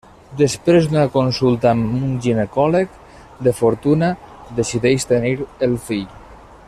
Després d'una consulta amb un ginecòleg de fortuna, decideix tenir el fill.